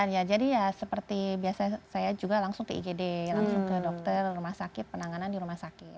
ya jadi ya seperti biasa saya juga langsung ke igd langsung ke dokter rumah sakit penanganan di rumah sakit